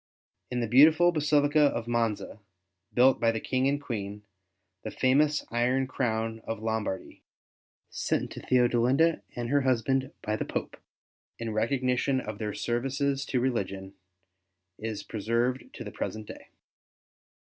In the beautiful basilica of Monza, built by the King and Queen, the famous iron crown of Lombardy, sent to TheodeHnda and her husband by the Pope, in recognition of their services to religion, is preserved to the present day.